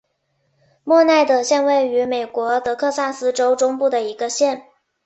默纳德县位美国德克萨斯州中部的一个县。